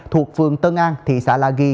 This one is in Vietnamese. thuộc phường tân an thị xã la ghi